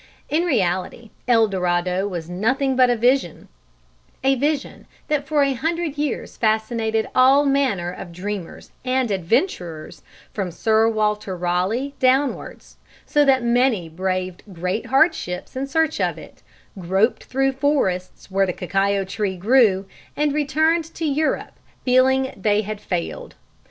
In reality, El Dorado was nothing but a vision, a vision that for a hundred years fascinated all manner of dreamers and adventurers from Sir Walter Raleigh downwards, so that many braved great hardships in search of it, groped through the forests where the cacao tree grew, and returned to Europe feeling they had failed.